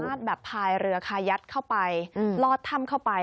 แบบพายเรือคายัดเข้าไปลอดถ้ำเข้าไป